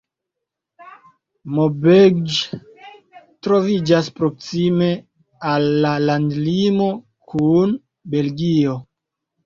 Maubeuge troviĝas proksime al la landlimo kun Belgio.